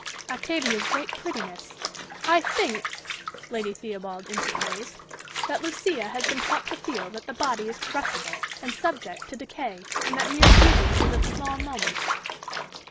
"Octavia's great prettiness" "I think," Lady Theobald interposed, "that Lucia has been taught to feel that the body is corruptible, and subject to decay, and that mere beauty is of small moment."